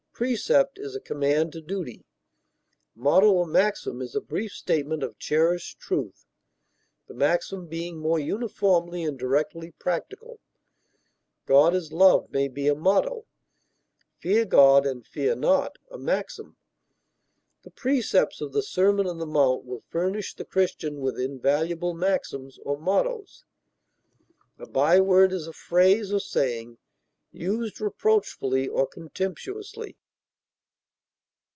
Precept is a command to duty; motto or maxim is a brief statement of cherished truth, the maxim being more uniformly and directly practical; "God is love" may be a motto, "Fear God and fear naught," a maxim. The precepts of the Sermon on the Mount will furnish the Christian with invaluable maxims or mottoes. A byword is a phrase or saying used reproachfully or contemptuously.